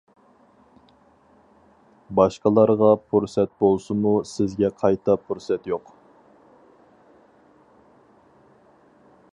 باشقىلارغا پۇرسەت بولسىمۇ، سىزگە قايتا پۇرسەت يوق.